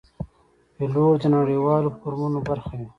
پیلوټ د نړیوالو فورمونو برخه وي.